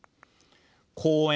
公園